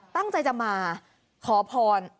ตั้งใจจะมาขอพร